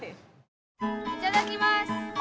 いただきます！